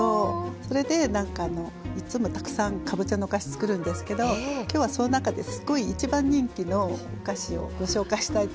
それでなんかいつもたくさんかぼちゃのお菓子つくるんですけど今日はその中ですごい一番人気のお菓子をご紹介したいと思います。